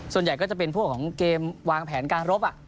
ส่วนใหญ่ก็จะเป็นพวกของเกมวางแผนการรบ